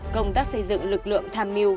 công tác xây dựng lực lượng tham mưu